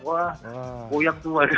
wah koyak tuh